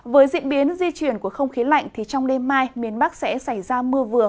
với diễn biến di chuyển của không khí lạnh thì trong đêm mai miền bắc sẽ xảy ra mưa vừa